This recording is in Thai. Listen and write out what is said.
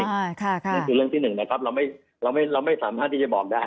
นี่คือเรื่องที่หนึ่งนะครับเราไม่สามารถที่จะบอกได้